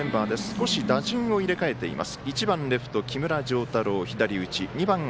少し打順を入れ替えています。